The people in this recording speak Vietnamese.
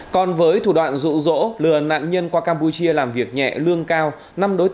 còn với thủ đoạn rụ rỗ lừa nạn nhân qua campuchia làm việc nhẹ lương cao năm đối tượng vừa bị công an tỉnh đồng nai ra quyết định khởi tố